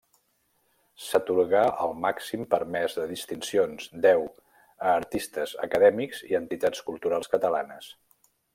S'atorgà el màxim permès de distincions, deu, a artistes, acadèmics i entitats culturals catalanes.